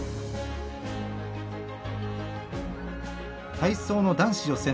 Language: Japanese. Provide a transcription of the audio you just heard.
体操の男子予選